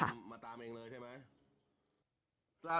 ล่าสุดมาเจอเจอที่ไหนครับ